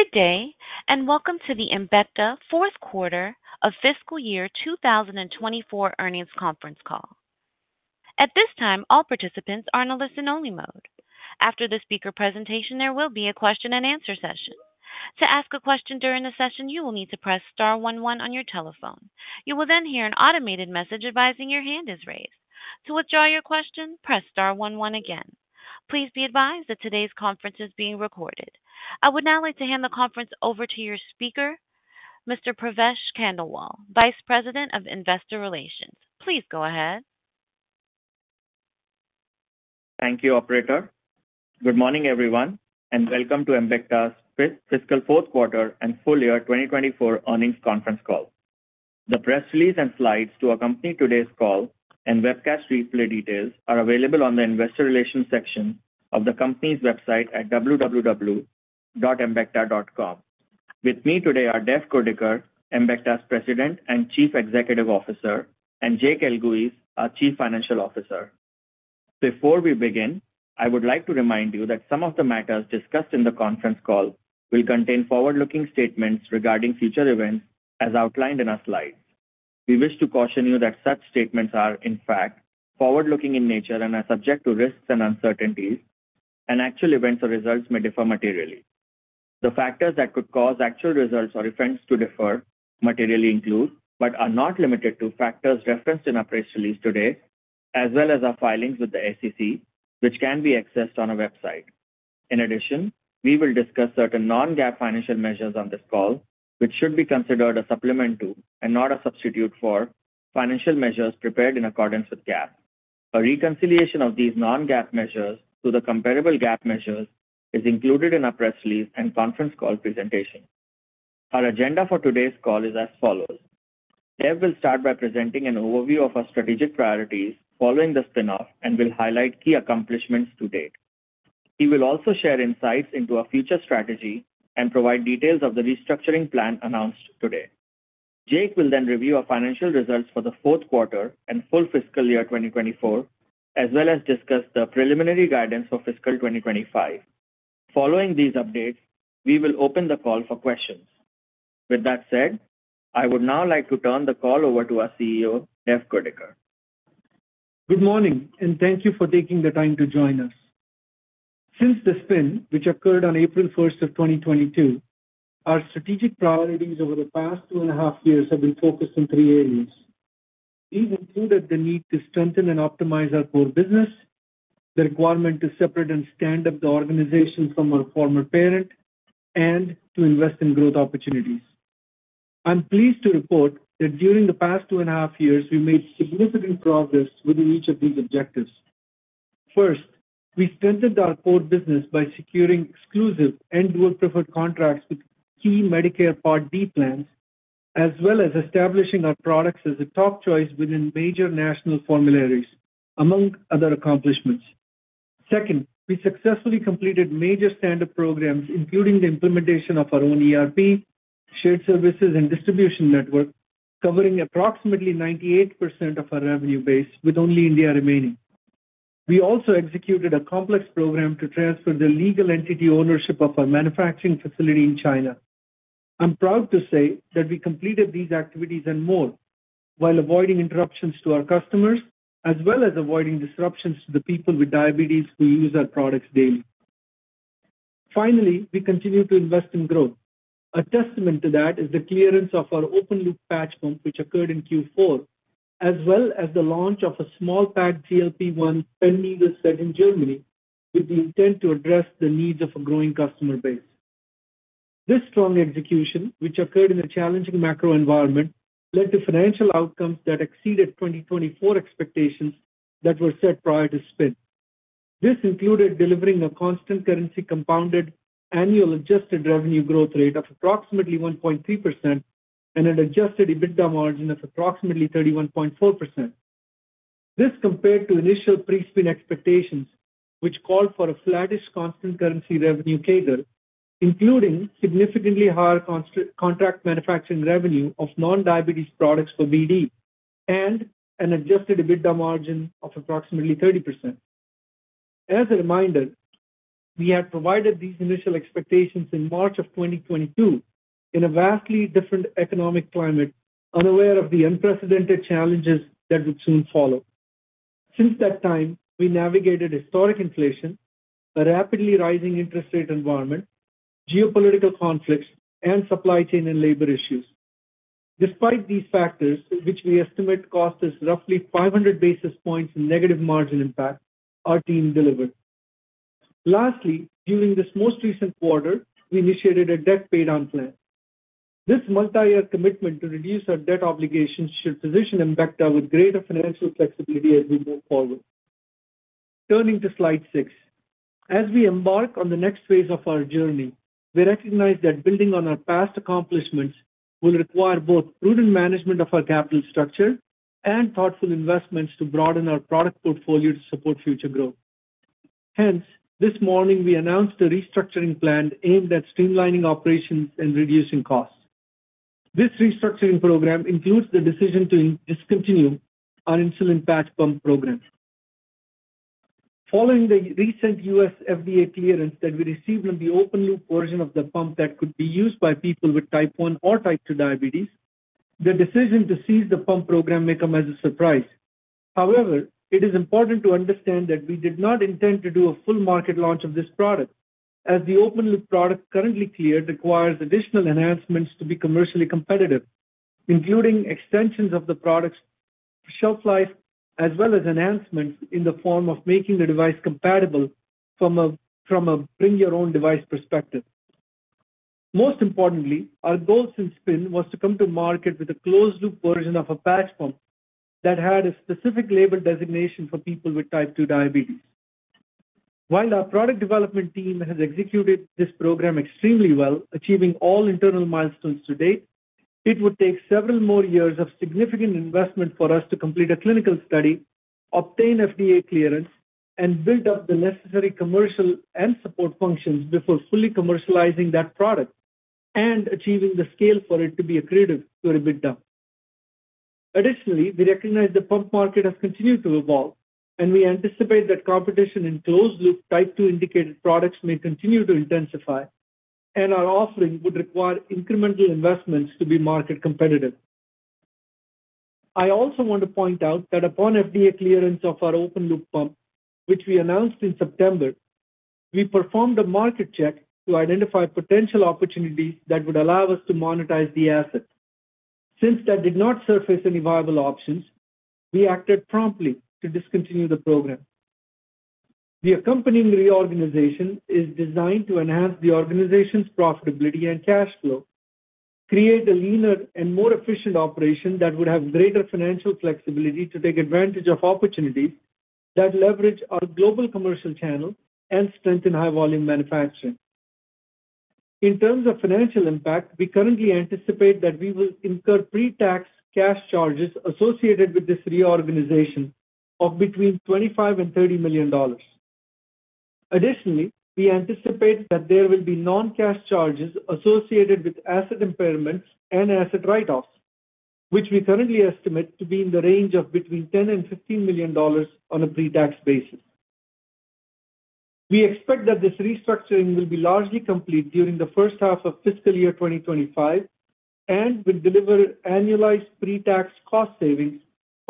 Good day, and welcome to the Embecta fourth quarter of fiscal year 2024 earnings conference call. At this time, all participants are in a listen-only mode. After the speaker presentation, there will be a question-and-answer session. To ask a question during the session, you will need to press star one one on your telephone. You will then hear an automated message advising your hand is raised. To withdraw your question, press star one one again. Please be advised that today's conference is being recorded. I would now like to hand the conference over to your speaker, Mr. Pravesh Khandelwal, Vice President of Investor Relations. Please go ahead. Thank you, Operator. Good morning, everyone, and welcome to Embecta's fiscal fourth quarter and full year 2024 earnings conference call. The press release and slides to accompany today's call and webcast replay details are available on the Investor Relations section of the company's website at www.embecta.com. With me today are Dev Kurdikar, Embecta's President and Chief Executive Officer, and Jake Elguicz, our Chief Financial Officer. Before we begin, I would like to remind you that some of the matters discussed in the conference call will contain forward-looking statements regarding future events as outlined in our slides. We wish to caution you that such statements are, in fact, forward-looking in nature and are subject to risks and uncertainties, and actual events or results may differ materially. The factors that could cause actual results or events to differ materially include, but are not limited to, factors referenced in our press release today, as well as our filings with the SEC, which can be accessed on our website. In addition, we will discuss certain non-GAAP financial measures on this call, which should be considered a supplement to, and not a substitute for, financial measures prepared in accordance with GAAP. A reconciliation of these non-GAAP measures to the comparable GAAP measures is included in our press release and conference call presentation. Our agenda for today's call is as follows. Dev will start by presenting an overview of our strategic priorities following the spinoff and will highlight key accomplishments to date. He will also share insights into our future strategy and provide details of the restructuring plan announced today. Jake will then review our financial results for the fourth quarter and full fiscal year 2024, as well as discuss the preliminary guidance for fiscal 2025. Following these updates, we will open the call for questions. With that said, I would now like to turn the call over to our CEO, Dev Kurdikar. Good morning, and thank you for taking the time to join us. Since the spin, which occurred on April 1st of 2022, our strategic priorities over the past two and a half years have been focused on three areas. These included the need to strengthen and optimize our core business, the requirement to separate and stand up the organization from our former parent, and to invest in growth opportunities. I'm pleased to report that during the past two and a half years, we made significant progress within each of these objectives. First, we strengthened our core business by securing exclusive in-network preferred contracts with key Medicare Part D plans, as well as establishing our products as a top choice within major national formularies, among other accomplishments. Second, we successfully completed major stand-up programs, including the implementation of our own ERP, shared services, and distribution network, covering approximately 98% of our revenue base, with only India remaining. We also executed a complex program to transfer the legal entity ownership of our manufacturing facility in China. I'm proud to say that we completed these activities and more while avoiding interruptions to our customers, as well as avoiding disruptions to the people with diabetes who use our products daily. Finally, we continue to invest in growth. A testament to that is the clearance of our open-loop patch pump, which occurred in Q4, as well as the launch of a small-pack GLP-1 pen needle set in Germany with the intent to address the needs of a growing customer base. This strong execution, which occurred in a challenging macro environment, led to financial outcomes that exceeded 2024 expectations that were set prior to spin. This included delivering a constant currency compounded annual adjusted revenue growth rate of approximately 1.3% and an Adjusted EBITDA margin of approximately 31.4%. This compared to initial pre-spin expectations, which called for a flattish constant currency revenue CAGR, including significantly higher contract manufacturing revenue of non-diabetes products for BD and an Adjusted EBITDA margin of approximately 30%. As a reminder, we had provided these initial expectations in March of 2022 in a vastly different economic climate, unaware of the unprecedented challenges that would soon follow. Since that time, we navigated historic inflation, a rapidly rising interest rate environment, geopolitical conflicts, and supply chain and labor issues. Despite these factors, which we estimate cost us roughly 500 basis points in negative margin impact, our team delivered. Lastly, during this most recent quarter, we initiated a debt paydown plan. This multi-year commitment to reduce our debt obligations should position Embecta with greater financial flexibility as we move forward. Turning to slide six, as we embark on the next phase of our journey, we recognize that building on our past accomplishments will require both prudent management of our capital structure and thoughtful investments to broaden our product portfolio to support future growth. Hence, this morning, we announced a restructuring plan aimed at streamlining operations and reducing costs. This restructuring program includes the decision to discontinue our insulin patch pump program. Following the recent U.S. FDA clearance that we received on the open-loop version of the pump that could be used by people with Type 1 or Type 2 diabetes, the decision to cease the pump program may come as a surprise. However, it is important to understand that we did not intend to do a full market launch of this product, as the open-loop product currently cleared requires additional enhancements to be commercially competitive, including extensions of the product's shelf life, as well as enhancements in the form of making the device compatible from a bring-your-own-device perspective. Most importantly, our goal since spin was to come to market with a closed-loop version of a patch pump that had a specific label designation for people with type 2 diabetes. While our product development team has executed this program extremely well, achieving all internal milestones to date, it would take several more years of significant investment for us to complete a clinical study, obtain FDA clearance, and build up the necessary commercial and support functions before fully commercializing that product and achieving the scale for it to be accretive to EBITDA. Additionally, we recognize the pump market has continued to evolve, and we anticipate that competition in closed-loop Type 2 indicated products may continue to intensify, and our offering would require incremental investments to be market competitive. I also want to point out that upon FDA clearance of our open-loop pump, which we announced in September, we performed a market check to identify potential opportunities that would allow us to monetize the asset. Since that did not surface any viable options, we acted promptly to discontinue the program. The accompanying reorganization is designed to enhance the organization's profitability and cash flow, create a leaner and more efficient operation that would have greater financial flexibility to take advantage of opportunities that leverage our global commercial channel and strengthen high-volume manufacturing. In terms of financial impact, we currently anticipate that we will incur pre-tax cash charges associated with this reorganization of between $25 and $30 million. Additionally, we anticipate that there will be non-cash charges associated with asset impairments and asset write-offs, which we currently estimate to be in the range of between $10 and $15 million on a pre-tax basis. We expect that this restructuring will be largely complete during the first half of fiscal year 2025 and will deliver annualized pre-tax cost savings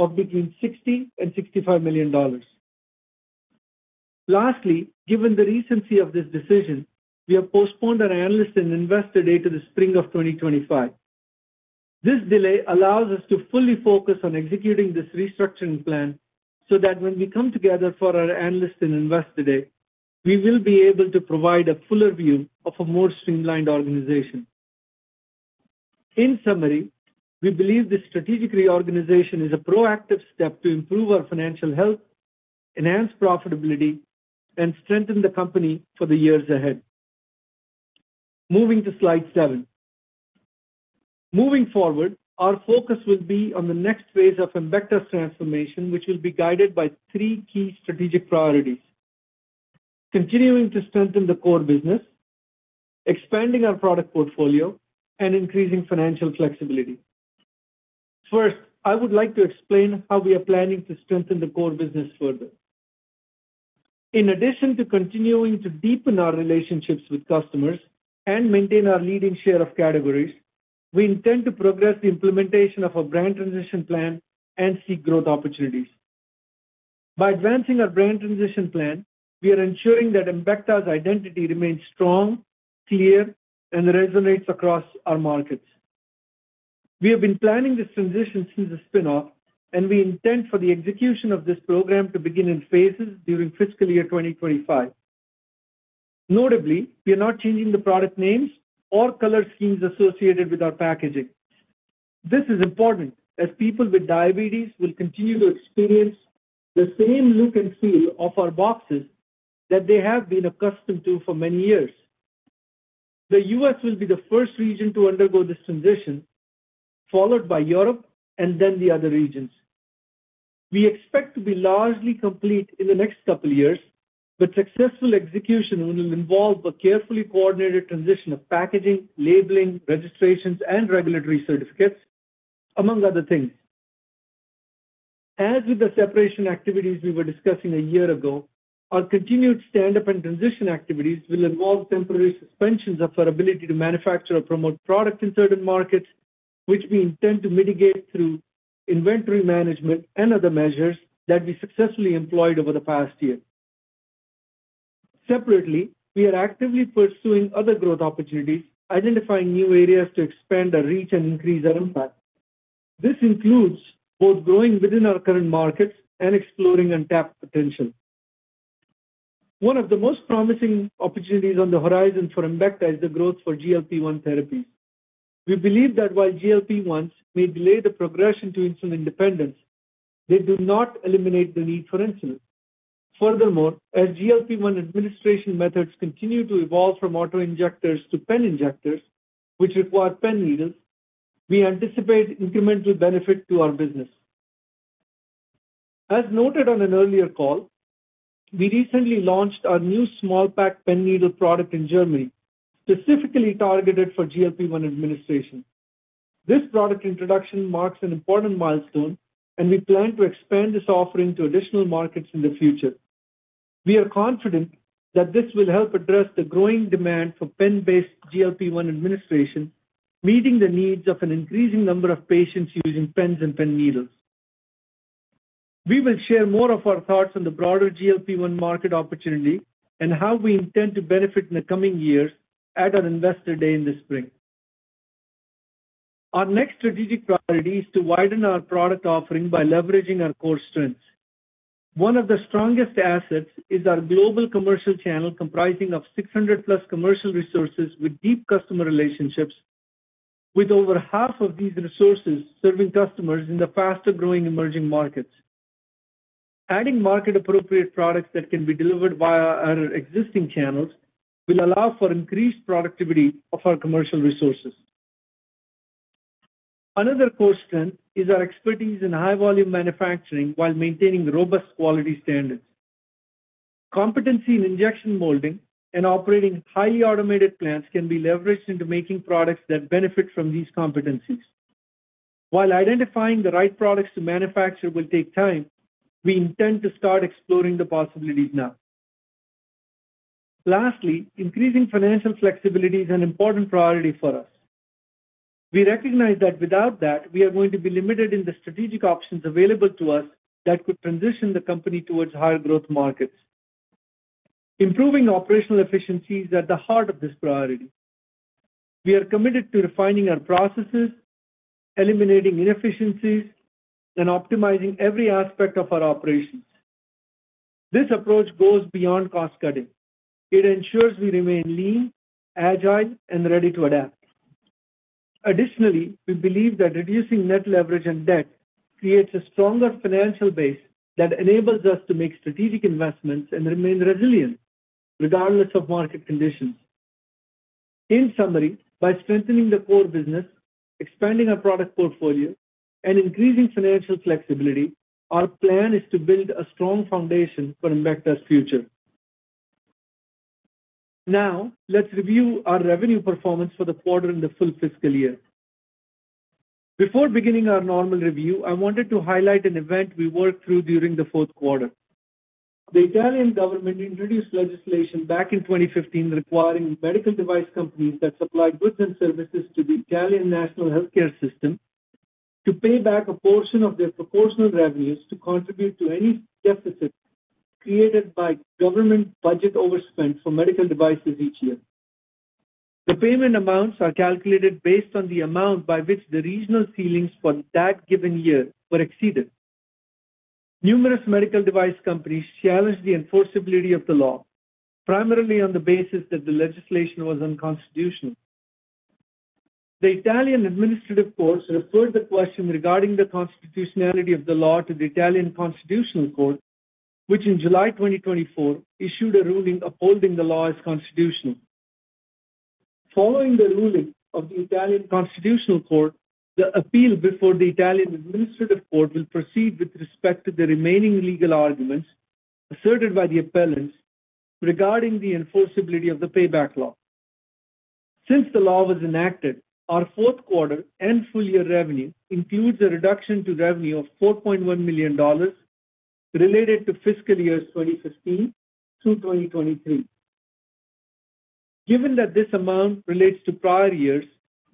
of between $60 and $65 million. Lastly, given the recency of this decision, we have postponed our analysts and investors' day to the spring of 2025. This delay allows us to fully focus on executing this restructuring plan so that when we come together for our analysts and investors' day, we will be able to provide a fuller view of a more streamlined organization. In summary, we believe this strategic reorganization is a proactive step to improve our financial health, enhance profitability, and strengthen the company for the years ahead. Moving to slide seven. Moving forward, our focus will be on the next phase of Embecta's transformation, which will be guided by three key strategic priorities: continuing to strengthen the core business, expanding our product portfolio, and increasing financial flexibility. First, I would like to explain how we are planning to strengthen the core business further. In addition to continuing to deepen our relationships with customers and maintain our leading share of categories, we intend to progress the implementation of our brand transition plan and seek growth opportunities. By advancing our brand transition plan, we are ensuring that Embecta's identity remains strong, clear, and resonates across our markets. We have been planning this transition since the spinoff, and we intend for the execution of this program to begin in phases during fiscal year 2025. Notably, we are not changing the product names or color schemes associated with our packaging. This is important as people with diabetes will continue to experience the same look and feel of our boxes that they have been accustomed to for many years. The U.S. will be the first region to undergo this transition, followed by Europe and then the other regions. We expect to be largely complete in the next couple of years, but successful execution will involve a carefully coordinated transition of packaging, labeling, registrations, and regulatory certificates, among other things. As with the separation activities we were discussing a year ago, our continued stand-up and transition activities will involve temporary suspensions of our ability to manufacture or promote product in certain markets, which we intend to mitigate through inventory management and other measures that we successfully employed over the past year. Separately, we are actively pursuing other growth opportunities, identifying new areas to expand our reach and increase our impact. This includes both growing within our current markets and exploring untapped potential. One of the most promising opportunities on the horizon for Embecta is the growth for GLP-1 therapies. We believe that while GLP-1s may delay the progression to insulin independence, they do not eliminate the need for insulin. Furthermore, as GLP-1 administration methods continue to evolve from autoinjectors to pen injectors, which require pen needles, we anticipate incremental benefit to our business. As noted on an earlier call, we recently launched our new small-pack pen needle product in Germany, specifically targeted for GLP-1 administration. This product introduction marks an important milestone, and we plan to expand this offering to additional markets in the future. We are confident that this will help address the growing demand for pen-based GLP-1 administration, meeting the needs of an increasing number of patients using pens and pen needles. We will share more of our thoughts on the broader GLP-1 market opportunity and how we intend to benefit in the coming years at our investor day in the spring. Our next strategic priority is to widen our product offering by leveraging our core strengths. One of the strongest assets is our global commercial channel comprising of 600-plus commercial resources with deep customer relationships, with over half of these resources serving customers in the faster-growing emerging markets. Adding market-appropriate products that can be delivered via our existing channels will allow for increased productivity of our commercial resources. Another core strength is our expertise in high-volume manufacturing while maintaining robust quality standards. Competency in injection molding and operating highly automated plants can be leveraged into making products that benefit from these competencies. While identifying the right products to manufacture will take time, we intend to start exploring the possibilities now. Lastly, increasing financial flexibility is an important priority for us. We recognize that without that, we are going to be limited in the strategic options available to us that could transition the company towards higher growth markets. Improving operational efficiency is at the heart of this priority. We are committed to refining our processes, eliminating inefficiencies, and optimizing every aspect of our operations. This approach goes beyond cost cutting. It ensures we remain lean, agile, and ready to adapt. Additionally, we believe that reducing net leverage and debt creates a stronger financial base that enables us to make strategic investments and remain resilient regardless of market conditions. In summary, by strengthening the core business, expanding our product portfolio, and increasing financial flexibility, our plan is to build a strong foundation for Embecta's future. Now, let's review our revenue performance for the quarter and the full fiscal year. Before beginning our normal review, I wanted to highlight an event we worked through during the fourth quarter. The Italian government introduced legislation back in 2015 requiring medical device companies that supply goods and services to the Italian national healthcare system to pay back a portion of their proportional revenues to contribute to any deficit created by government budget overspend for medical devices each year. The payment amounts are calculated based on the amount by which the regional ceilings for that given year were exceeded. Numerous medical device companies challenged the enforceability of the law, primarily on the basis that the legislation was unconstitutional. The Italian administrative courts referred the question regarding the constitutionality of the law to the Italian Constitutional Court, which in July 2024 issued a ruling upholding the law as constitutional. Following the ruling of the Italian Constitutional Court, the appeal before the Italian administrative court will proceed with respect to the remaining legal arguments asserted by the appellants regarding the enforceability of the payback law. Since the law was enacted, our fourth quarter and full year revenue includes a reduction to revenue of $4.1 million related to fiscal years 2015 through 2023. Given that this amount relates to prior years,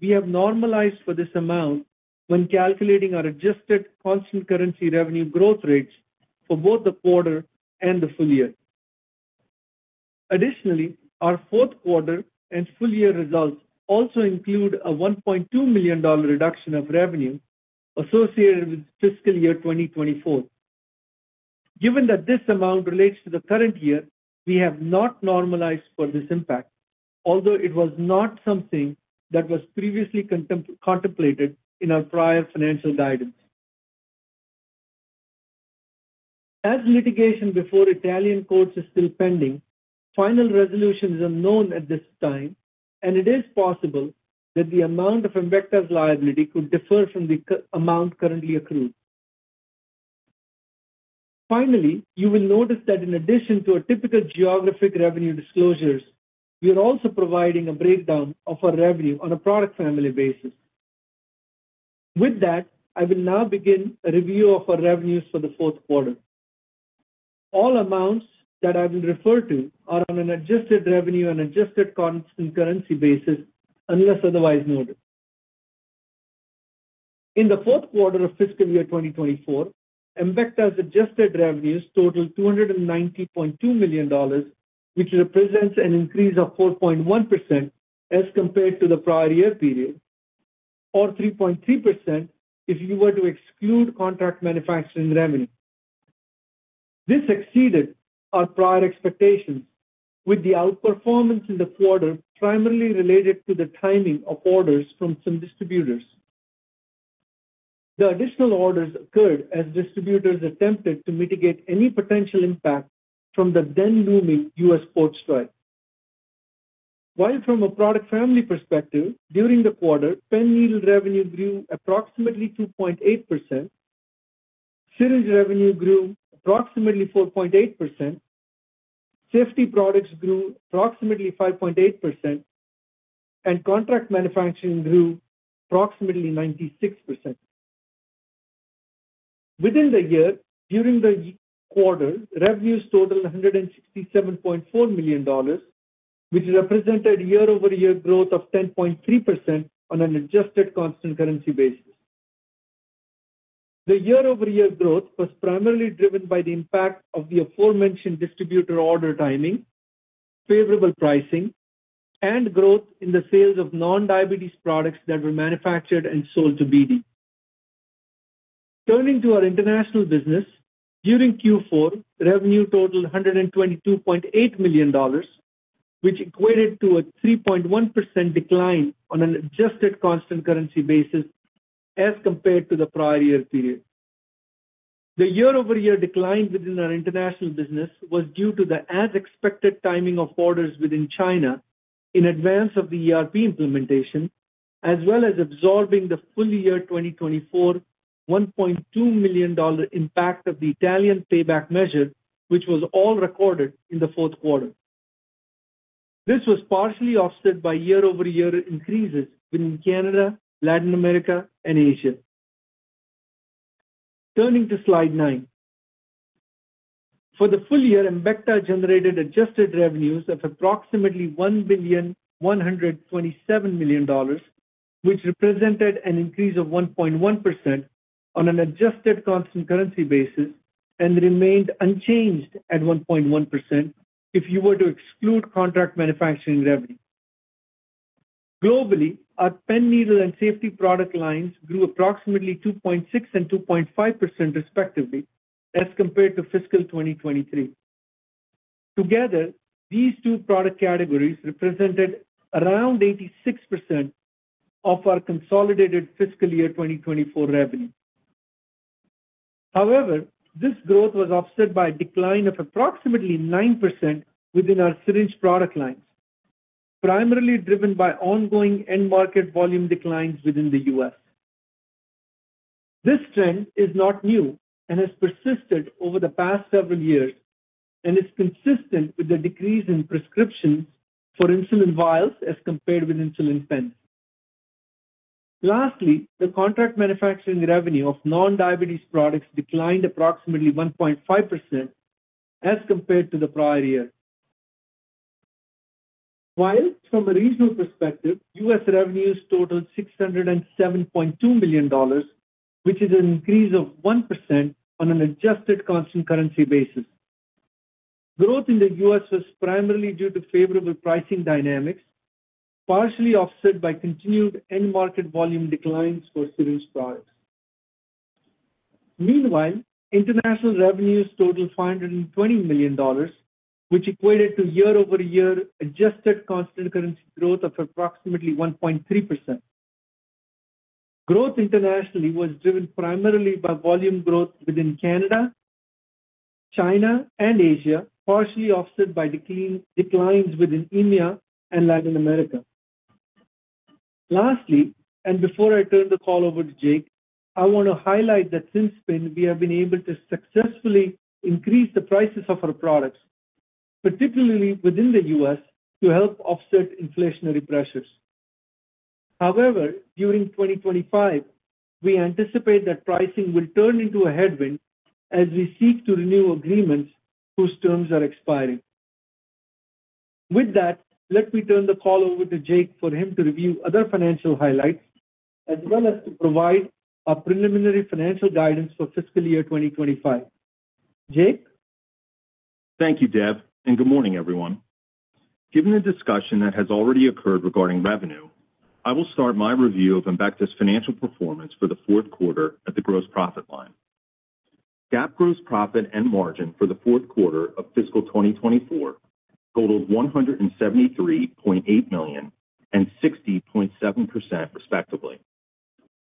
we have normalized for this amount when calculating our adjusted constant currency revenue growth rates for both the quarter and the full year. Additionally, our fourth quarter and full year results also include a $1.2 million reduction of revenue associated with fiscal year 2024. Given that this amount relates to the current year, we have not normalized for this impact, although it was not something that was previously contemplated in our prior financial guidance. As litigation before Italian courts is still pending, final resolution is unknown at this time, and it is possible that the amount of Embecta's liability could differ from the amount currently accrued. Finally, you will notice that in addition to our typical geographic revenue disclosures, we are also providing a breakdown of our revenue on a product family basis. With that, I will now begin a review of our revenues for the fourth quarter. All amounts that I will refer to are on an adjusted revenue and adjusted constant currency basis unless otherwise noted. In the fourth quarter of fiscal year 2024, Embecta's adjusted revenues totaled $290.2 million, which represents an increase of 4.1% as compared to the prior year period, or 3.3% if you were to exclude contract manufacturing revenue. This exceeded our prior expectations, with the outperformance in the quarter primarily related to the timing of orders from some distributors. The additional orders occurred as distributors attempted to mitigate any potential impact from the then looming U.S. port strike. While from a product family perspective, during the quarter, pen needle revenue grew approximately 2.8%, syringe revenue grew approximately 4.8%, safety products grew approximately 5.8%, and contract manufacturing grew approximately 96%. Within the year, during the quarter, revenues totaled $167.4 million, which represented year-over-year growth of 10.3% on an adjusted constant currency basis. The year-over-year growth was primarily driven by the impact of the aforementioned distributor order timing, favorable pricing, and growth in the sales of non-diabetes products that were manufactured and sold to BD. Turning to our international business, during Q4, revenue totaled $122.8 million, which equated to a 3.1% decline on an adjusted constant currency basis as compared to the prior year period. The year-over-year decline within our international business was due to the as-expected timing of orders within China in advance of the ERP implementation, as well as absorbing the full year 2024 $1.2 million impact of the Italian payback measure, which was all recorded in the fourth quarter. This was partially offset by year-over-year increases within Canada, Latin America, and Asia. Turning to slide nine. For the full year, Embecta generated adjusted revenues of approximately $1,127 million, which represented an increase of 1.1% on an adjusted constant currency basis and remained unchanged at 1.1% if you were to exclude contract manufacturing revenue. Globally, our pen needle and safety product lines grew approximately 2.6% and 2.5% respectively as compared to fiscal 2023. Together, these two product categories represented around 86% of our consolidated fiscal year 2024 revenue. However, this growth was offset by a decline of approximately 9% within our syringe product lines, primarily driven by ongoing end-market volume declines within the U.S. This trend is not new and has persisted over the past several years and is consistent with the decrease in prescriptions for insulin vials as compared with insulin pens. Lastly, the contract manufacturing revenue of non-diabetes products declined approximately 1.5% as compared to the prior year. While from a regional perspective, U.S. revenues totaled $607.2 million, which is an increase of 1% on an adjusted constant currency basis. Growth in the U.S. was primarily due to favorable pricing dynamics, partially offset by continued end-market volume declines for syringe products. Meanwhile, international revenues totaled $520 million, which equated to year-over-year adjusted constant currency growth of approximately 1.3%. Growth internationally was driven primarily by volume growth within Canada, China, and Asia, partially offset by declines within EMEA and Latin America. Lastly, and before I turn the call over to Jake, I want to highlight that since spin, we have been able to successfully increase the prices of our products, particularly within the U.S., to help offset inflationary pressures. However, during 2025, we anticipate that pricing will turn into a headwind as we seek to renew agreements whose terms are expiring. With that, let me turn the call over to Jake for him to review other financial highlights as well as to provide a preliminary financial guidance for fiscal year 2025. Jake? Thank you, Dev, and good morning, everyone. Given the discussion that has already occurred regarding revenue, I will start my review of Embecta's financial performance for the fourth quarter at the gross profit line. GAAP gross profit and margin for the fourth quarter of fiscal 2024 totaled $173.8 million and 60.7% respectively.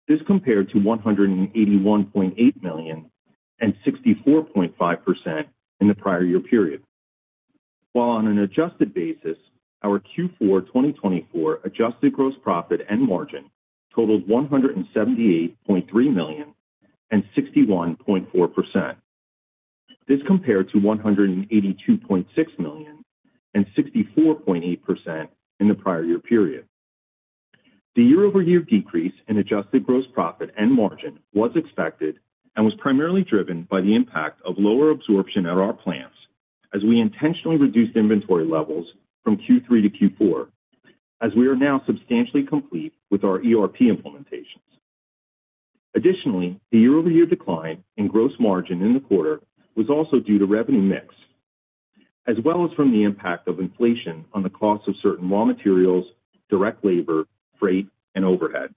This compared to $181.8 million and 64.5% in the prior year period. While on an adjusted basis, our Q4 2024 adjusted gross profit and margin totaled $178.3 million and 61.4%. This compared to $182.6 million and 64.8% in the prior year period. The year-over-year decrease in adjusted gross profit and margin was expected and was primarily driven by the impact of lower absorption at our plants as we intentionally reduced inventory levels from Q3 to Q4, as we are now substantially complete with our ERP implementations. Additionally, the year-over-year decline in gross margin in the quarter was also due to revenue mix, as well as from the impact of inflation on the cost of certain raw materials, direct labor, freight, and overhead,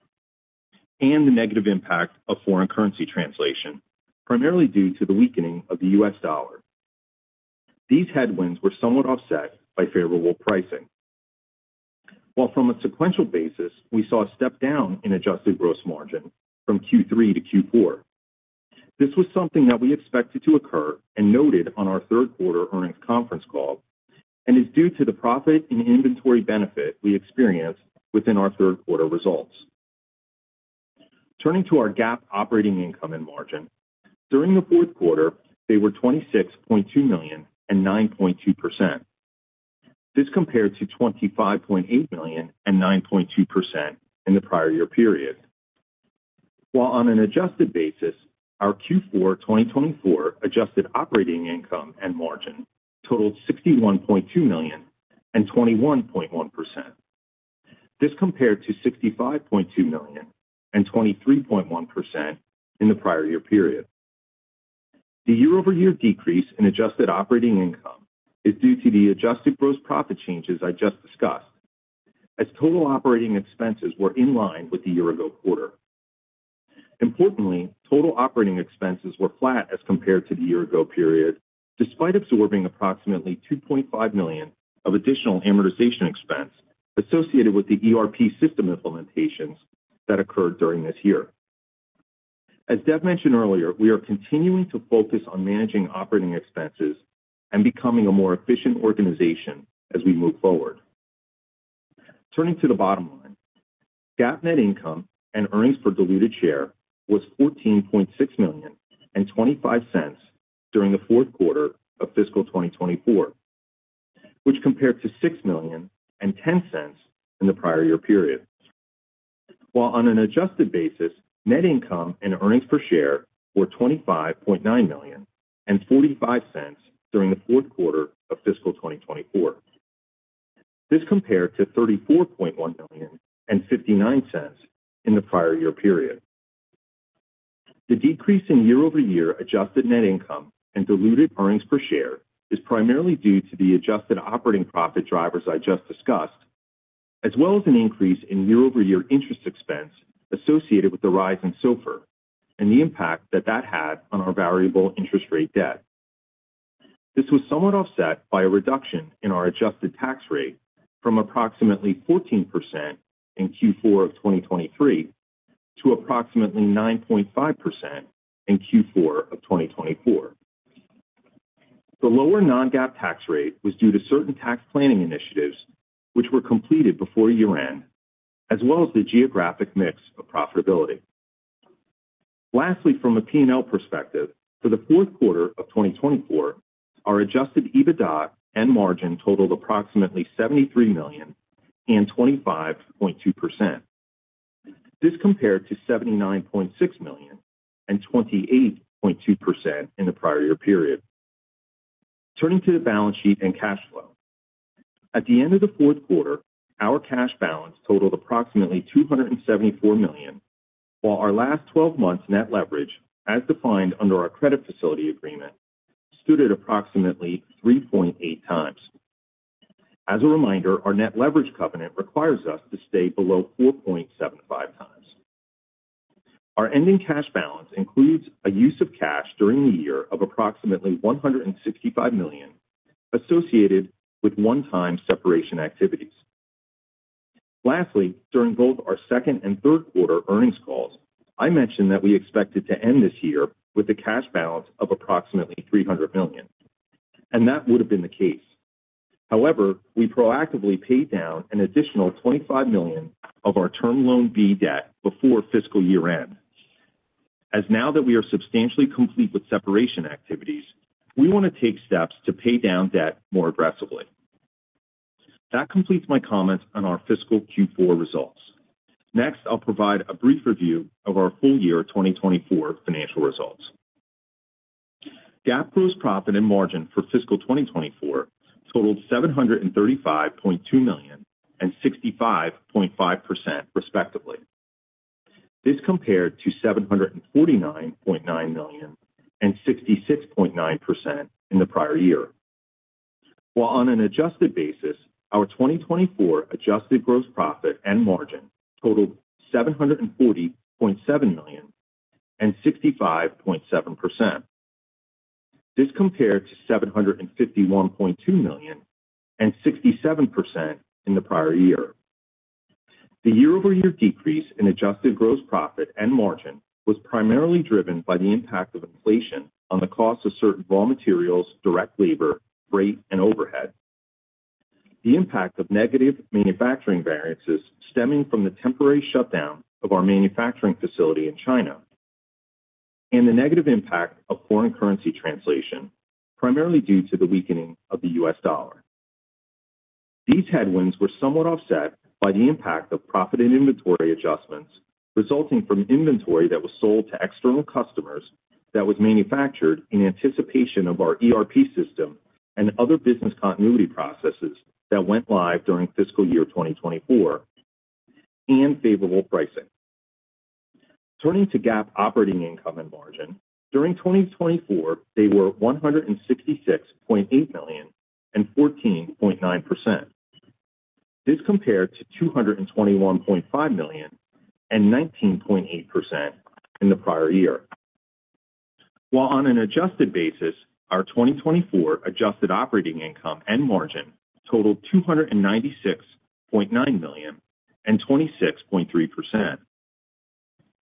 and the negative impact of foreign currency translation, primarily due to the weakening of the U.S. dollar. These headwinds were somewhat offset by favorable pricing. While from a sequential basis, we saw a step down in adjusted gross margin from Q3 to Q4. This was something that we expected to occur and noted on our third quarter earnings conference call and is due to the profit and inventory benefit we experienced within our third quarter results. Turning to our GAAP operating income and margin, during the fourth quarter, they were $26.2 million and 9.2%. This compared to $25.8 million and 9.2% in the prior year period. While on an adjusted basis, our Q4 2024 adjusted operating income and margin totaled $61.2 million and 21.1%. This compared to $65.2 million and 23.1% in the prior year period. The year-over-year decrease in adjusted operating income is due to the adjusted gross profit changes I just discussed, as total operating expenses were in line with the year-ago quarter. Importantly, total operating expenses were flat as compared to the year-ago period, despite absorbing approximately $2.5 million of additional amortization expense associated with the ERP system implementations that occurred during this year. As Dev mentioned earlier, we are continuing to focus on managing operating expenses and becoming a more efficient organization as we move forward. Turning to the bottom line, GAAP net income and earnings per diluted share was $14.6 million and $0.25 during the fourth quarter of fiscal 2024, which compared to $6 million and $0.10 in the prior year period. While on an adjusted basis, net income and earnings per share were $25.9 million and $0.45 during the fourth quarter of fiscal 2024. This compared to $34.1 million and $0.59 in the prior year period. The decrease in year-over-year adjusted net income and diluted earnings per share is primarily due to the adjusted operating profit drivers I just discussed, as well as an increase in year-over-year interest expense associated with the rise in SOFR and the impact that that had on our variable interest rate debt. This was somewhat offset by a reduction in our adjusted tax rate from approximately 14% in Q4 of 2023 to approximately 9.5% in Q4 of 2024. The lower non-GAAP tax rate was due to certain tax planning initiatives, which were completed before year-end, as well as the geographic mix of profitability. Lastly, from a P&L perspective, for the fourth quarter of 2024, our Adjusted EBITDA and margin totaled approximately $73 million and 25.2%. This compared to $79.6 million and 28.2% in the prior year period. Turning to the balance sheet and cash flow. At the end of the fourth quarter, our cash balance totaled approximately $274 million, while our last 12 months net leverage, as defined under our credit facility agreement, stood at approximately 3.8x. As a reminder, our net leverage covenant requires us to stay below 4.75x. Our ending cash balance includes a use of cash during the year of approximately $165 million associated with one-time separation activities. Lastly, during both our second and third quarter earnings calls, I mentioned that we expected to end this year with a cash balance of approximately $300 million, and that would have been the case. However, we proactively paid down an additional $25 million of our Term Loan B debt before fiscal year-end. And now that we are substantially complete with separation activities, we want to take steps to pay down debt more aggressively. That completes my comments on our fiscal Q4 results. Next, I'll provide a brief review of our full year 2024 financial results. GAAP gross profit and margin for fiscal 2024 totaled $735.2 million and 65.5% respectively. This compared to $749.9 million and 66.9% in the prior year. While on an adjusted basis, our 2024 adjusted gross profit and margin totaled $740.7 million and 65.7%. This compared to $751.2 million and 67% in the prior year. The year-over-year decrease in adjusted gross profit and margin was primarily driven by the impact of inflation on the cost of certain raw materials, direct labor, freight, and overhead, the impact of negative manufacturing variances stemming from the temporary shutdown of our manufacturing facility in China, and the negative impact of foreign currency translation, primarily due to the weakening of the U.S. dollar. These headwinds were somewhat offset by the impact of profit and inventory adjustments resulting from inventory that was sold to external customers that was manufactured in anticipation of our ERP system and other business continuity processes that went live during fiscal year 2024, and favorable pricing. Turning to GAAP operating income and margin, during 2024, they were $166.8 million and 14.9%. This compared to $221.5 million and 19.8% in the prior year. While on an adjusted basis, our 2024 adjusted operating income and margin totaled $296.9 million and 26.3%.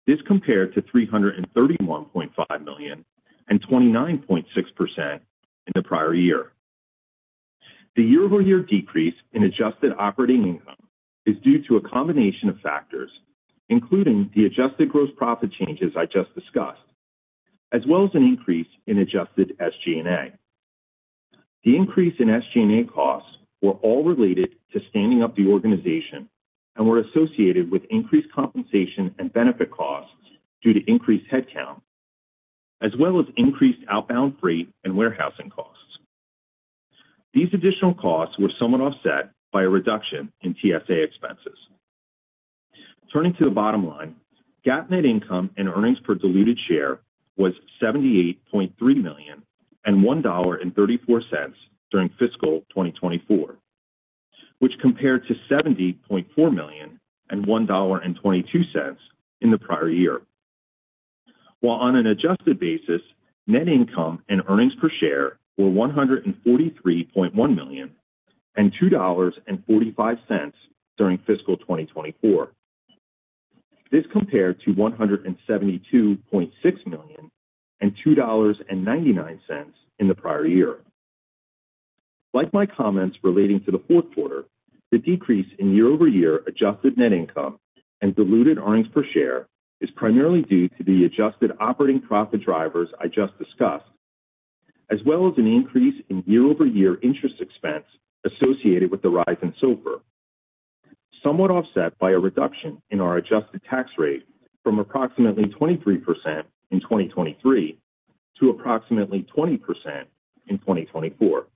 This compared to $331.5 million and 29.6% in the prior year. The year-over-year decrease in adjusted operating income is due to a combination of factors, including the adjusted gross profit changes I just discussed, as well as an increase in adjusted SG&A. The increase in SG&A costs were all related to standing up the organization and were associated with increased compensation and benefit costs due to increased headcount, as well as increased outbound freight and warehousing costs. These additional costs were somewhat offset by a reduction in TSA expenses. Turning to the bottom line, GAAP net income and earnings per diluted share was $78.3 million and $1.34 during fiscal 2024, which compared to $70.4 million and $1.22 in the prior year. While on an adjusted basis, net income and earnings per share were $143.1 million and $2.45 during fiscal 2024. This compared to $172.6 million and $2.99 in the prior year. Like my comments relating to the fourth quarter, the decrease in year-over-year adjusted net income and diluted earnings per share is primarily due to the adjusted operating profit drivers I just discussed, as well as an increase in year-over-year interest expense associated with the rise in SOFR, somewhat offset by a reduction in our adjusted tax rate from approximately 23% in 2023 to approximately 20% in 2024.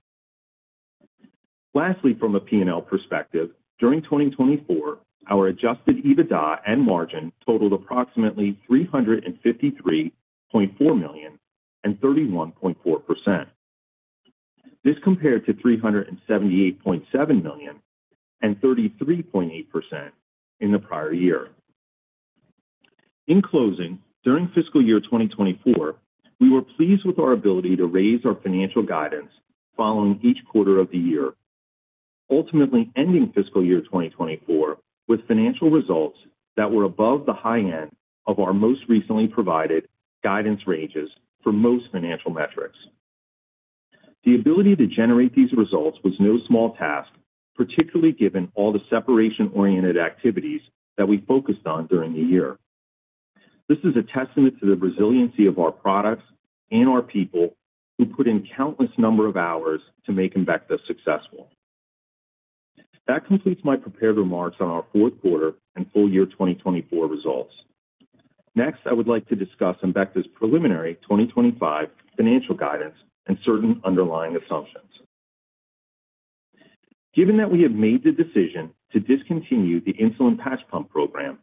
Lastly, from a P&L perspective, during 2024, our Adjusted EBITDA and margin totaled approximately $353.4 million and 31.4%. This compared to $378.7 million and 33.8% in the prior year. In closing, during fiscal year 2024, we were pleased with our ability to raise our financial guidance following each quarter of the year, ultimately ending fiscal year 2024 with financial results that were above the high end of our most recently provided guidance ranges for most financial metrics. The ability to generate these results was no small task, particularly given all the separation-oriented activities that we focused on during the year. This is a testament to the resiliency of our products and our people who put in countless numbers of hours to make Embecta successful. That completes my prepared remarks on our fourth quarter and full year 2024 results. Next, I would like to discuss Embecta's preliminary 2025 financial guidance and certain underlying assumptions. Given that we have made the decision to discontinue the insulin patch pump program,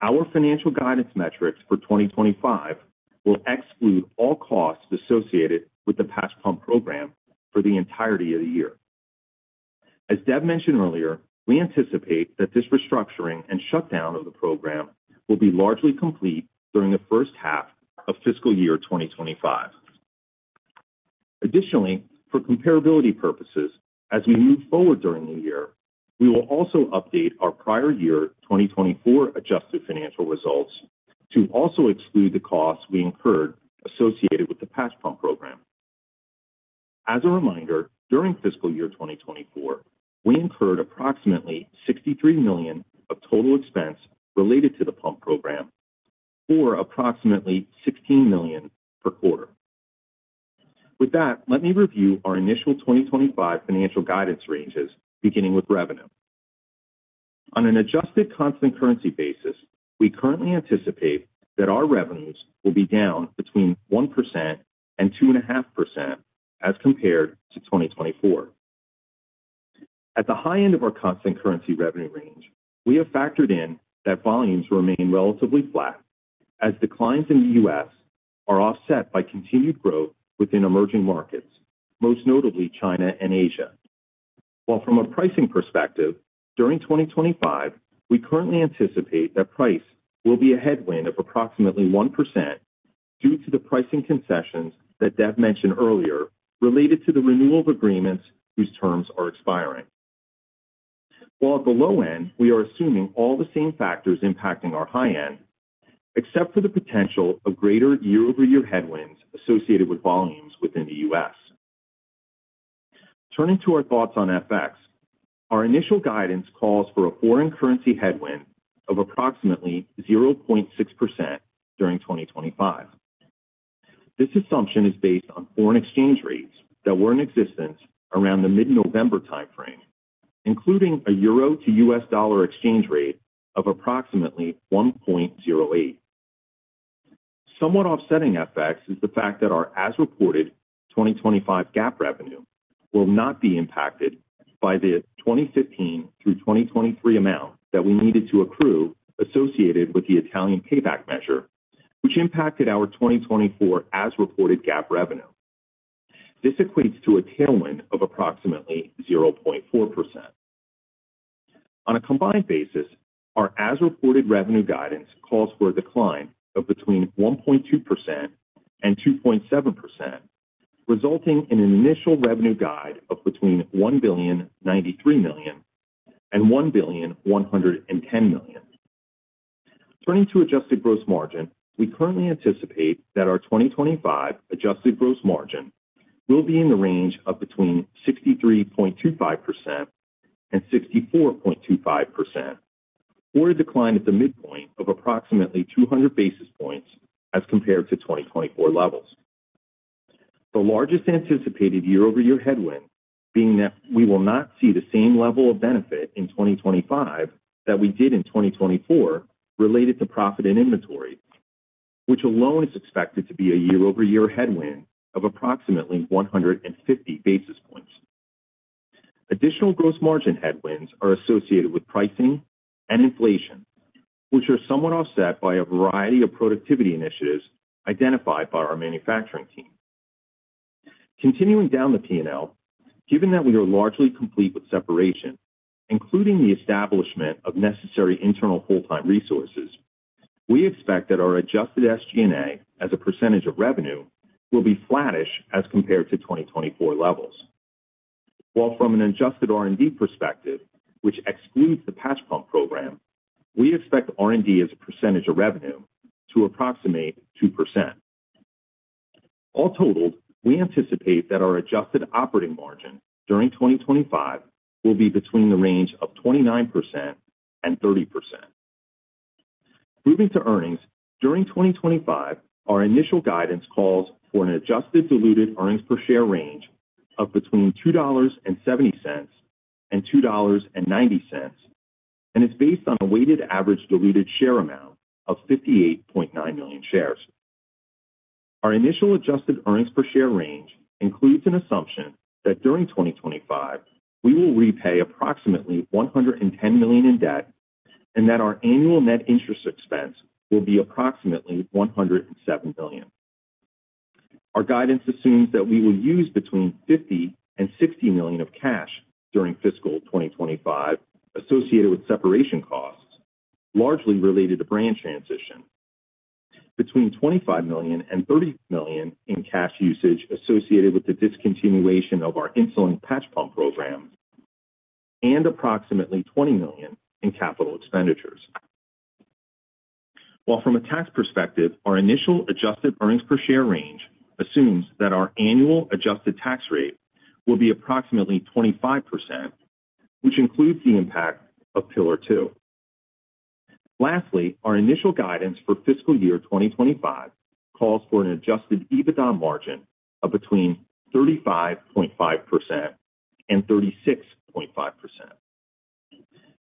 our financial guidance metrics for 2025 will exclude all costs associated with the patch pump program for the entirety of the year. As Dev mentioned earlier, we anticipate that this restructuring and shutdown of the program will be largely complete during the first half of fiscal year 2025. Additionally, for comparability purposes, as we move forward during the year, we will also update our prior year 2024 adjusted financial results to also exclude the costs we incurred associated with the patch pump program. As a reminder, during fiscal year 2024, we incurred approximately $63 million of total expense related to the pump program for approximately $16 million per quarter. With that, let me review our initial 2025 financial guidance ranges, beginning with revenue. On an adjusted constant currency basis, we currently anticipate that our revenues will be down between 1% and 2.5% as compared to 2024. At the high end of our constant currency revenue range, we have factored in that volumes remain relatively flat, as declines in the U.S. are offset by continued growth within emerging markets, most notably China and Asia. While from a pricing perspective, during 2025, we currently anticipate that price will be a headwind of approximately 1% due to the pricing concessions that Dev mentioned earlier related to the renewal of agreements whose terms are expiring. While at the low end, we are assuming all the same factors impacting our high end, except for the potential of greater year-over-year headwinds associated with volumes within the U.S. Turning to our thoughts on FX, our initial guidance calls for a foreign currency headwind of approximately 0.6% during 2025. This assumption is based on foreign exchange rates that were in existence around the mid-November timeframe, including a euro to U.S. dollar exchange rate of approximately 1.08. Somewhat offsetting FX is the fact that our as-reported 2025 GAAP revenue will not be impacted by the 2015 through 2023 amount that we needed to accrue associated with the Italian payback measure, which impacted our 2024 as-reported GAAP revenue. This equates to a tailwind of approximately 0.4%. On a combined basis, our as-reported revenue guidance calls for a decline of between 1.2% and 2.7%, resulting in an initial revenue guide of between $1,093,000,000 and $1,110,000,000. Turning to adjusted gross margin, we currently anticipate that our 2025 adjusted gross margin will be in the range of between 63.25% and 64.25%, or a decline at the midpoint of approximately 200 basis points as compared to 2024 levels. The largest anticipated year-over-year headwind being that we will not see the same level of benefit in 2025 that we did in 2024 related to profit and inventory, which alone is expected to be a year-over-year headwind of approximately 150 basis points. Additional gross margin headwinds are associated with pricing and inflation, which are somewhat offset by a variety of productivity initiatives identified by our manufacturing team. Continuing down the P&L, given that we are largely complete with separation, including the establishment of necessary internal full-time resources, we expect that our adjusted SG&A as a percentage of revenue will be flattish as compared to 2024 levels. While from an Adjusted R&D perspective, which excludes the patch pump program, we expect R&D as a percentage of revenue to approximate 2%. All totaled, we anticipate that our adjusted operating margin during 2025 will be between the range of 29% and 30%. Moving to earnings, during 2025, our initial guidance calls for an adjusted diluted earnings per share range of between $2.70 and $2.90, and it's based on a weighted average diluted share amount of 58.9 million shares. Our initial adjusted earnings per share range includes an assumption that during 2025, we will repay approximately $110 million in debt and that our annual net interest expense will be approximately $107 million. Our guidance assumes that we will use between $50 million and $60 million of cash during fiscal 2025 associated with separation costs, largely related to brand transition, between $25 million and $30 million in cash usage associated with the discontinuation of our insulin patch pump program, and approximately $20 million in capital expenditures. While from a tax perspective, our initial adjusted earnings per share range assumes that our annual adjusted tax rate will be approximately 25%, which includes the impact of Pillar 2. Lastly, our initial guidance for fiscal year 2025 calls for an Adjusted EBITDA margin of between 35.5% and 36.5%,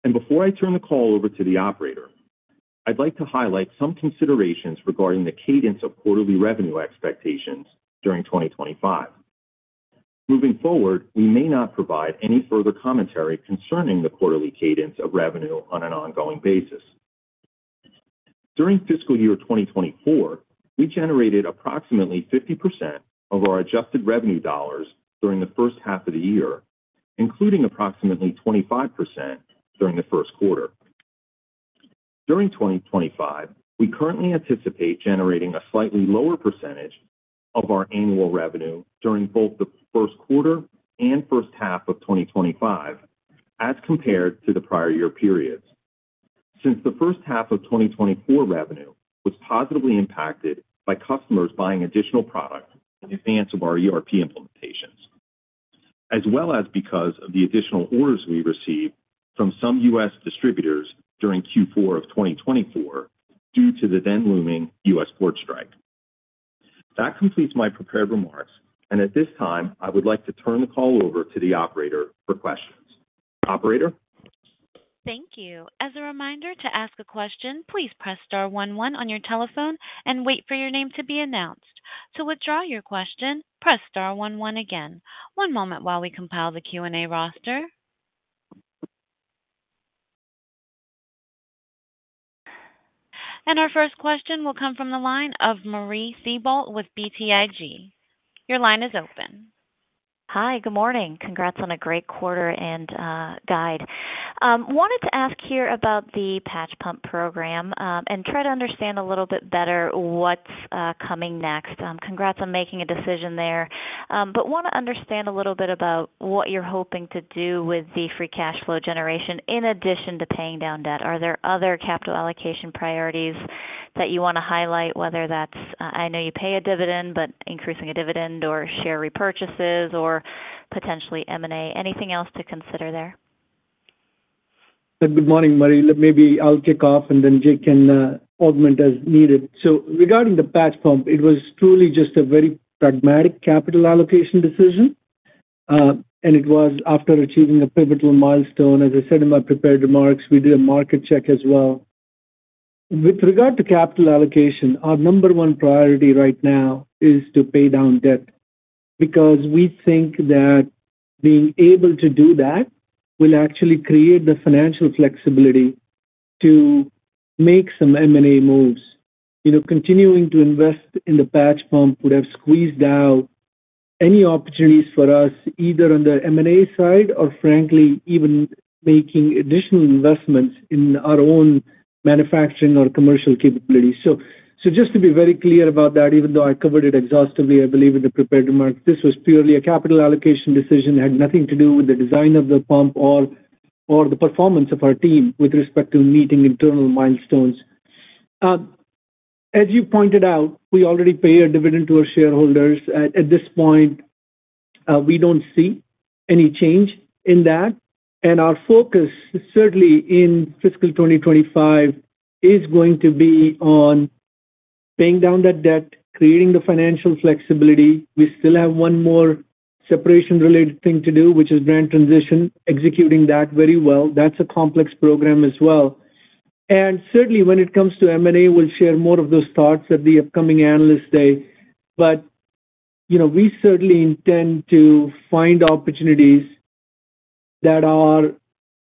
and before I turn the call over to the operator, I'd like to highlight some considerations regarding the cadence of quarterly revenue expectations during 2025. Moving forward, we may not provide any further commentary concerning the quarterly cadence of revenue on an ongoing basis. During fiscal year 2024, we generated approximately 50% of our adjusted revenue dollars during the first half of the year, including approximately 25% during the first quarter. During 2025, we currently anticipate generating a slightly lower percentage of our annual revenue during both the first quarter and first half of 2025 as compared to the prior year periods, since the first half of 2024 revenue was positively impacted by customers buying additional product in advance of our ERP implementations, as well as because of the additional orders we received from some U.S. distributors during Q4 of 2024 due to the then-looming U.S. port strike. That completes my prepared remarks, and at this time, I would like to turn the call over to the operator for questions. Operator? Thank you. As a reminder to ask a question, please press star one one on your telephone and wait for your name to be announced. To withdraw your question, press star one one again. One moment while we compile the Q&A roster. And our first question will come from the line of Marie Thibault with BTIG. Your line is open. Hi, good morning. Congrats on a great quarter and guidance. Wanted to ask here about the patch pump program, and try to understand a little bit better what's coming next. Congrats on making a decision there. But want to understand a little bit about what you're hoping to do with the free cash flow generation in addition to paying down debt. Are there other capital allocation priorities that you want to highlight, whether that's, I know you pay a dividend, but increasing a dividend or share repurchases or potentially M&A? Anything else to consider there? Good morning, Marie. Maybe I'll kick off and then Jake can augment as needed. So regarding the patch pump, it was truly just a very pragmatic capital allocation decision, and it was after achieving a pivotal milestone. As I said in my prepared remarks, we did a market check as well. With regard to capital allocation, our number one priority right now is to pay down debt because we think that being able to do that will actually create the financial flexibility to make some M&A moves. You know, continuing to invest in the patch pump would have squeezed out any opportunities for us either on the M&A side or, frankly, even making additional investments in our own manufacturing or commercial capabilities. So just to be very clear about that, even though I covered it exhaustively, I believe in the prepared remarks, this was purely a capital allocation decision, had nothing to do with the design of the pump or the performance of our team with respect to meeting internal milestones. As you pointed out, we already pay a dividend to our shareholders. At this point, we don't see any change in that. And our focus certainly in fiscal 2025 is going to be on paying down that debt, creating the financial flexibility. We still have one more separation-related thing to do, which is brand transition, executing that very well. That's a complex program as well. And certainly, when it comes to M&A, we'll share more of those thoughts at the upcoming analyst day. But, you know, we certainly intend to find opportunities that are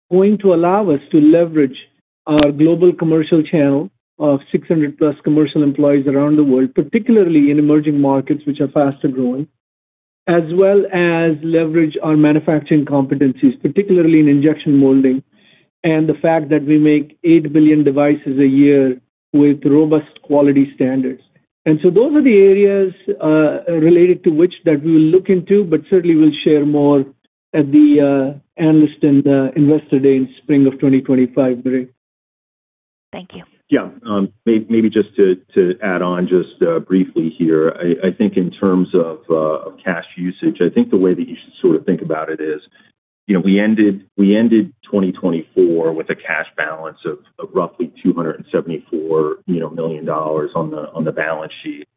going to allow us to leverage our global commercial channel of 600-plus commercial employees around the world, particularly in emerging markets, which are fast-growing, as well as leverage our manufacturing competencies, particularly in injection molding and the fact that we make 8 billion devices a year with robust quality standards. And so those are the areas related to which that we will look into, but certainly we'll share more at the analyst and investor day in spring of 2025, Marie. Thank you. Yeah. Maybe just to add on just briefly here, I think in terms of cash usage, I think the way that you should sort of think about it is, you know, we ended 2024 with a cash balance of roughly $274 million on the balance sheet.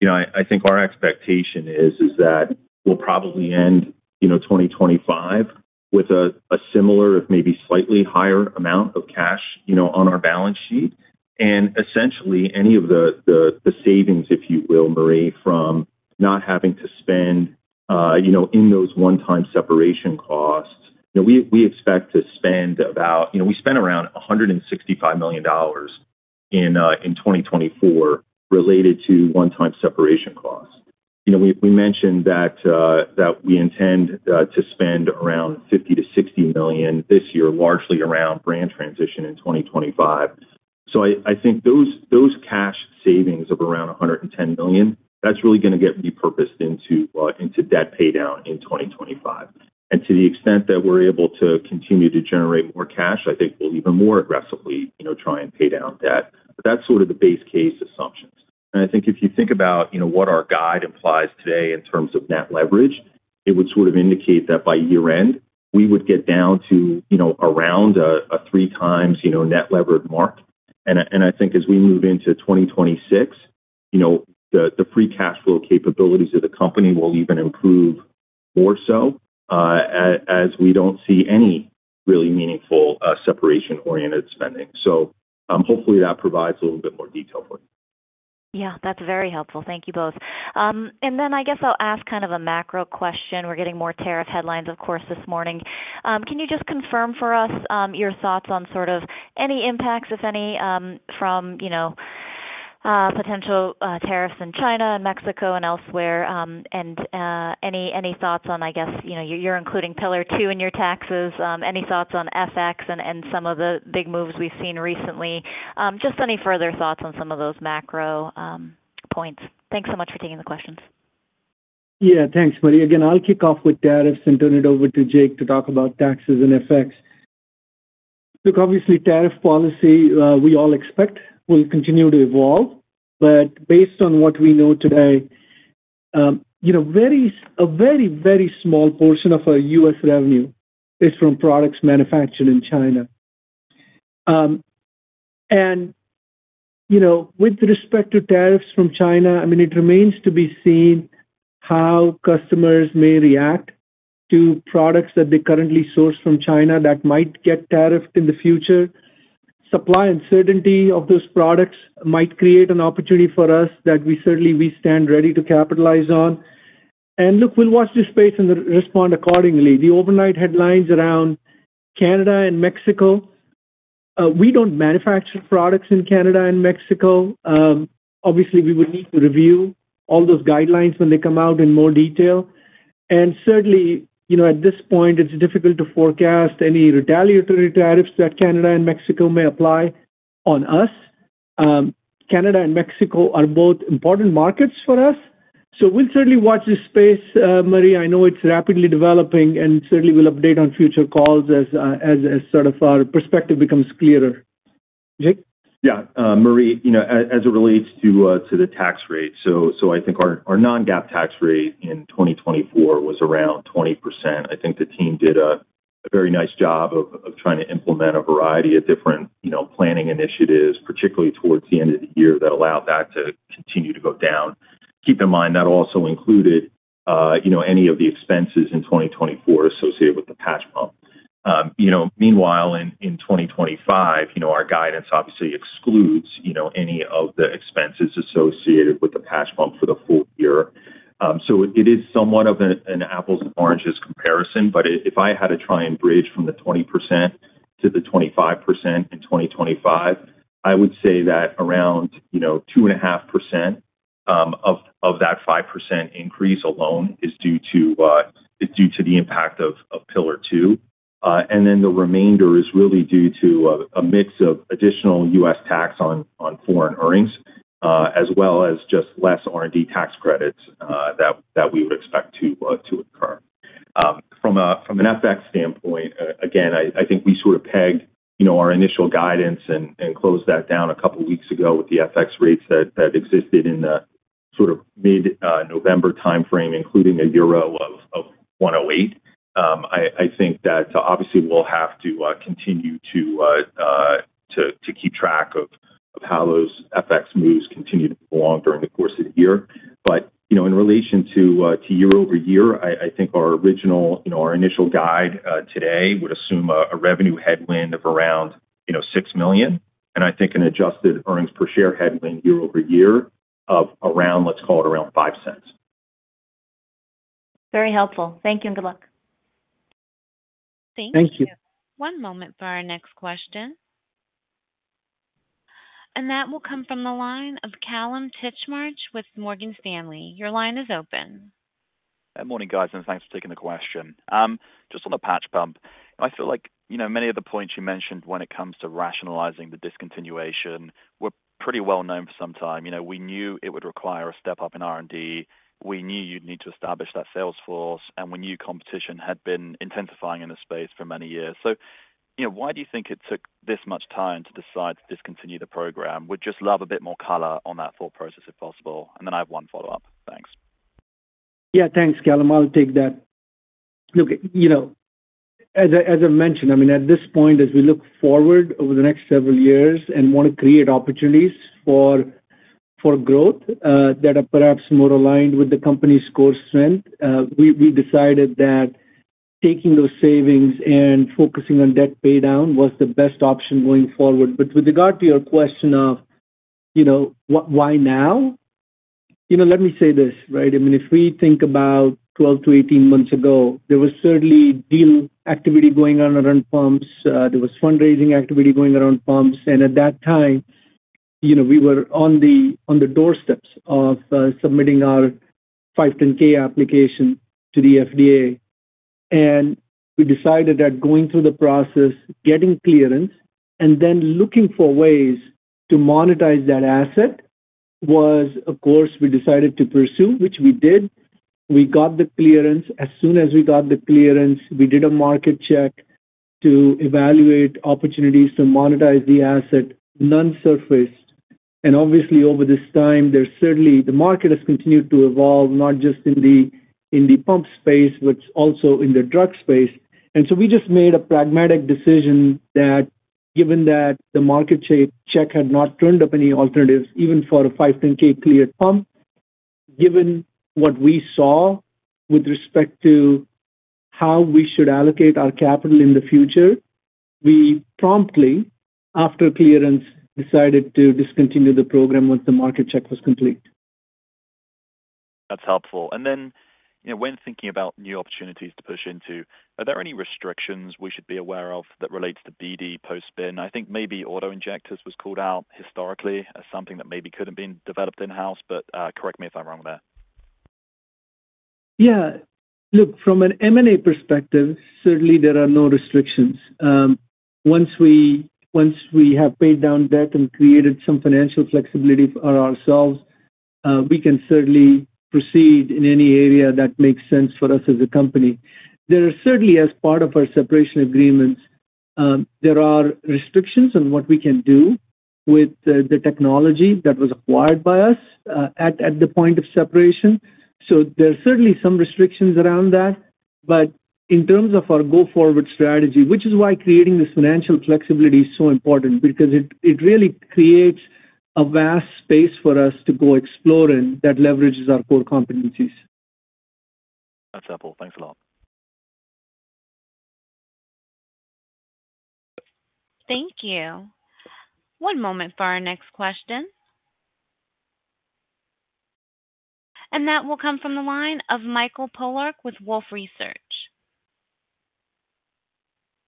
You know, I think our expectation is that we'll probably end 2025 with a similar, if maybe slightly higher amount of cash, you know, on our balance sheet. Essentially, any of the savings, if you will, Marie, from not having to spend, you know, in those one-time separation costs, you know, we expect to spend about, you know, we spent around $165 million in 2024 related to one-time separation costs. You know, we mentioned that we intend to spend around $50-$60 million this year, largely around brand transition in 2025. So I think those cash savings of around $110 million, that's really going to get repurposed into debt paydown in 2025. And to the extent that we're able to continue to generate more cash, I think we'll even more aggressively, you know, try and pay down debt. But that's sort of the base case assumptions. And I think if you think about, you know, what our guide implies today in terms of net leverage, it would sort of indicate that by year-end, we would get down to, you know, around a three-times, you know, net leverage mark. And I think as we move into 2026, you know, the free cash flow capabilities of the company will even improve more so, as we don't see any really meaningful, separation-oriented spending. So, hopefully that provides a little bit more detail for you. Yeah, that's very helpful. Thank you both, and then I guess I'll ask kind of a macro question. We're getting more tariff headlines, of course, this morning. Can you just confirm for us, your thoughts on sort of any impacts, if any, from, you know, potential, tariffs in China and Mexico and elsewhere, and, any, any thoughts on, I guess, you know, you're, you're including Pillar 2 in your taxes, any thoughts on FX and, and some of the big moves we've seen recently, just any further thoughts on some of those macro, points. Thanks so much for taking the questions. Yeah, thanks, Marie. Again, I'll kick off with tariffs and turn it over to Jake to talk about taxes and FX. Look, obviously, tariff policy, we all expect will continue to evolve. But based on what we know today, you know, very, a very, very small portion of our U.S. revenue is from products manufactured in China. And, you know, with respect to tariffs from China, I mean, it remains to be seen how customers may react to products that they currently source from China that might get tariffed in the future. Supply uncertainty of those products might create an opportunity for us that we certainly stand ready to capitalize on. And look, we'll watch this space and respond accordingly. The overnight headlines around Canada and Mexico. We don't manufacture products in Canada and Mexico. Obviously, we would need to review all those guidelines when they come out in more detail. And certainly, you know, at this point, it's difficult to forecast any retaliatory tariffs that Canada and Mexico may apply on us. Canada and Mexico are both important markets for us. So we'll certainly watch this space, Marie. I know it's rapidly developing, and certainly we'll update on future calls as sort of our perspective becomes clearer. Jake? Yeah. Marie, you know, as it relates to the tax rate. So I think our non-GAAP tax rate in 2024 was around 20%. I think the team did a very nice job of trying to implement a variety of different, you know, planning initiatives, particularly towards the end of the year that allowed that to continue to go down. Keep in mind that also included, you know, any of the expenses in 2024 associated with the patch pump. You know, meanwhile, in 2025, you know, our guidance obviously excludes, you know, any of the expenses associated with the patch pump for the full year. So it is somewhat of an apples and oranges comparison. But if I had to try and bridge from the 20% to the 25% in 2025, I would say that around, you know, 2.5% of that 5% increase alone is due to the impact of Pillar 2. And then the remainder is really due to a mix of additional U.S. tax on foreign earnings, as well as just less R&D tax credits that we would expect to occur. From an FX standpoint, again, I think we sort of pegged, you know, our initial guidance and closed that down a couple of weeks ago with the FX rates that existed in the sort of mid-November timeframe, including a euro of 108. I think that obviously we'll have to continue to keep track of how those FX moves continue to perform during the course of the year. But you know, in relation to year-over-year, I think our original, you know, our initial guide today would assume a revenue headwind of around, you know, $6 million. And I think an adjusted earnings per share headwind year-over-year of around, let's call it around $0.05. Very helpful. Thank you and good luck. Thank you. Thank you. One moment for our next question. And that will come from the line of Kallum Titchmarsh with Morgan Stanley. Your line is open. Good morning, guys, and thanks for taking the question. Just on the patch pump, I feel like, you know, many of the points you mentioned when it comes to rationalizing the discontinuation were pretty well known for some time. You know, we knew it would require a step up in R&D. We knew you'd need to establish that sales force, and we knew competition had been intensifying in the space for many years. So, you know, why do you think it took this much time to decide to discontinue the program? We'd just love a bit more color on that thought process, if possible. And then I have one follow-up. Thanks. Yeah, thanks, kallum. I'll take that. Look, you know, as I mentioned, I mean, at this point, as we look forward over the next several years and want to create opportunities for growth, that are perhaps more aligned with the company's core strength, we decided that taking those savings and focusing on debt paydown was the best option going forward. But with regard to your question of, you know, why now? You know, let me say this, right? I mean, if we think about 12-18 months ago, there was certainly deal activity going on around pumps. There was fundraising activity going around pumps. And at that time, you know, we were on the doorsteps of submitting our 510(k) application to the FDA. We decided that going through the process, getting clearance, and then looking for ways to monetize that asset was a course we decided to pursue, which we did. We got the clearance. As soon as we got the clearance, we did a market check to evaluate opportunities to monetize the asset. None surfaced. And obviously, over this time, there's certainly the market has continued to evolve, not just in the pump space, but also in the drug space. And so we just made a pragmatic decision that given that the market check had not turned up any alternatives, even for a 510(k) cleared pump, given what we saw with respect to how we should allocate our capital in the future, we promptly, after clearance, decided to discontinue the program once the market check was complete. That's helpful. You know, when thinking about new opportunities to push into, are there any restrictions we should be aware of that relates to BD post-spin? I think maybe auto injectors was called out historically as something that maybe could have been developed in-house, but correct me if I'm wrong there. Yeah. Look, from an M&A perspective, certainly there are no restrictions. Once we have paid down debt and created some financial flexibility for ourselves, we can certainly proceed in any area that makes sense for us as a company. There are certainly, as part of our separation agreements, there are restrictions on what we can do with the technology that was acquired by us at the point of separation. So there are certainly some restrictions around that. But in terms of our go-forward strategy, which is why creating this financial flexibility is so important, because it really creates a vast space for us to go explore in that leverages our core competencies. That's helpful. Thanks a lot. Thank you. One moment for our next question. And that will come from the line of Mike Polark with Wolfe Research.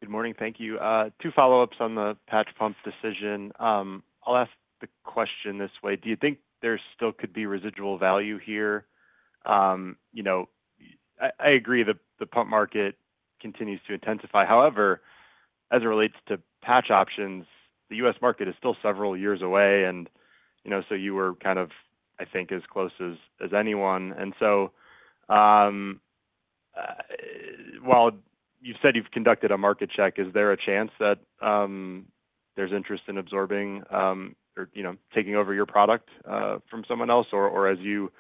Good morning. Thank you. Two follow-ups on the patch pump decision. I'll ask the question this way. Do you think there still could be residual value here? You know, I agree the pump market continues to intensify. However, as it relates to patch options, the U.S. market is still several years away. And, you know, so you were kind of, I think, as close as anyone. And so, while you've said you've conducted a market check, is there a chance that there's interest in absorbing, or, you know, taking over your product from someone else? Or as you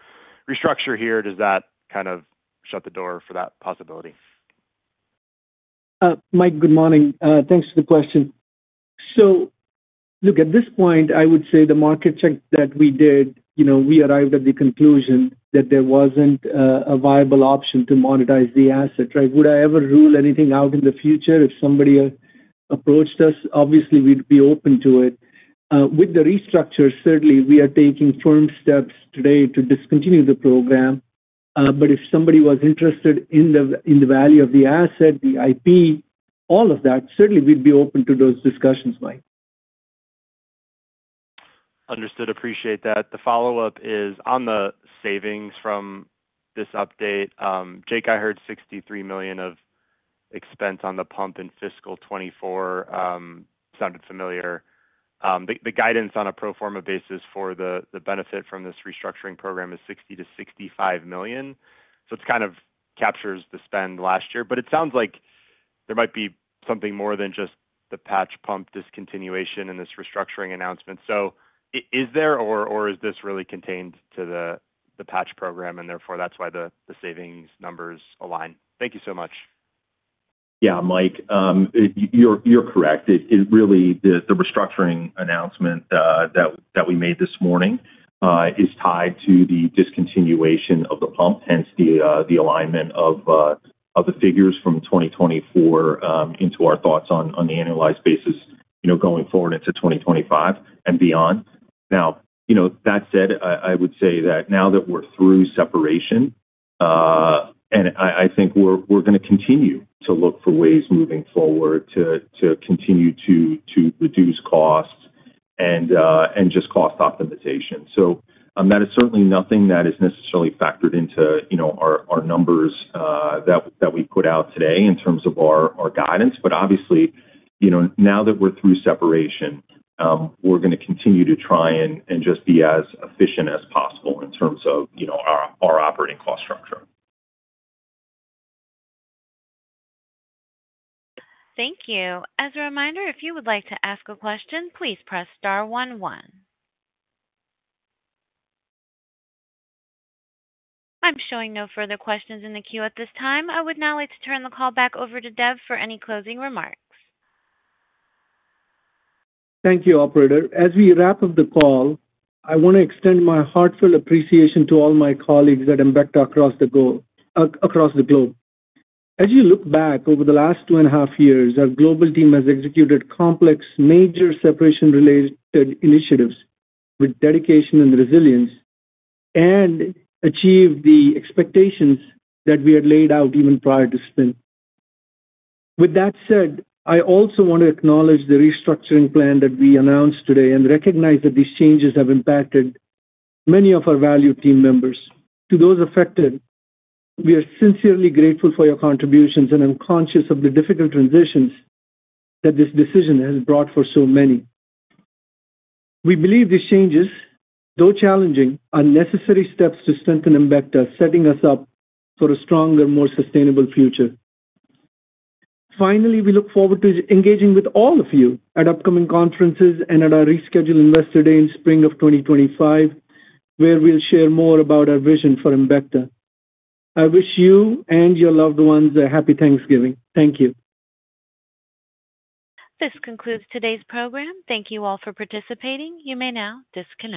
restructure here, does that kind of shut the door for that possibility? Mike, good morning. Thanks for the question. So look, at this point, I would say the market check that we did, you know, we arrived at the conclusion that there wasn't a viable option to monetize the asset, right? Would I ever rule anything out in the future if somebody approached us? Obviously, we'd be open to it. With the restructure, certainly, we are taking firm steps today to discontinue the program. But if somebody was interested in the value of the asset, the IP, all of that, certainly we'd be open to those discussions, Mike. Understood. Appreciate that. The follow-up is on the savings from this update. Jake, I heard $63 million of expense on the pump in fiscal 2024. Sounded familiar. The guidance on a pro forma basis for the benefit from this restructuring program is $60-$65 million. So it kind of captures the spend last year. But it sounds like there might be something more than just the patch pump discontinuation and this restructuring announcement. So is there, or is this really contained to the patch program, and therefore that's why the savings numbers align? Thank you so much. Yeah, Mike, you're correct. It's really the restructuring announcement that we made this morning is tied to the discontinuation of the pump, hence the alignment of the figures from 2024 into our thoughts on the annualized basis, you know, going forward into 2025 and beyond. Now, you know, that said, I would say that now that we're through separation, and I think we're going to continue to look for ways moving forward to continue to reduce costs and just cost optimization. So, that is certainly nothing that is necessarily factored into, you know, our numbers that we put out today in terms of our guidance. But obviously, you know, now that we're through separation, we're going to continue to try and just be as efficient as possible in terms of, you know, our operating cost structure. Thank you. As a reminder, if you would like to ask a question, please press star 11. I'm showing no further questions in the queue at this time. I would now like to turn the call back over to Dev for any closing remarks. Thank you, Operator. As we wrap up the call, I want to extend my heartfelt appreciation to all my colleagues at Embecta across the globe. As you look back over the last two and a half years, our global team has executed complex, major separation-related initiatives with dedication and resilience and achieved the expectations that we had laid out even prior to spin. With that said, I also want to acknowledge the restructuring plan that we announced today and recognize that these changes have impacted many of our valued team members. To those affected, we are sincerely grateful for your contributions and I'm conscious of the difficult transitions that this decision has brought for so many. We believe these changes, though challenging, are necessary steps to strengthen Embecta, setting us up for a stronger, more sustainable future. Finally, we look forward to engaging with all of you at upcoming conferences and at our rescheduled investor day in spring of 2025, where we'll share more about our vision for Embecta. I wish you and your loved ones a happy Thanksgiving. Thank you. This concludes today's program. Thank you all for participating. You may now disconnect.